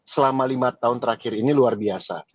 selama lima tahun terakhir ini luar biasa